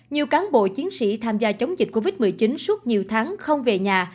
nhiều cán bộ chiến sĩ tham gia chống dịch covid một mươi chín suốt nhiều tháng không về nhà